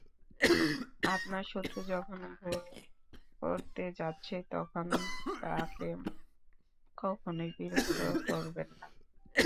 আপনার শত্রু যখন ভুল করতে যাচ্ছে, তখন তাকে কখনোই বিরক্ত করবেন না।